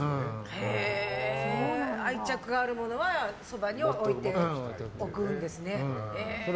愛着があるものはそばに置いておくんですね。